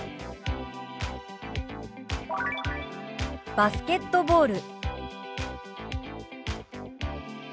「バスケットボール」。